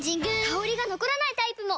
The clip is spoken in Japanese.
香りが残らないタイプも！